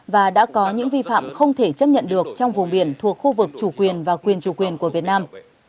và đã có những vi phạm không thể chấp nhận được trong vùng biển thuộc khu vực chủ quyền và quyền chủ quyền của việt nam